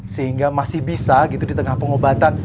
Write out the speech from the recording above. sehingga masih bisa gitu di tengah pengobatan